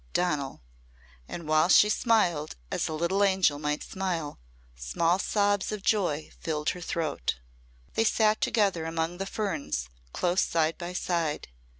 Donal! And while she smiled as a little angel might smile, small sobs of joy filled her throat. They sat together among the ferns, close side by side.